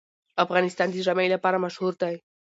افغانستان د ژمی لپاره مشهور دی.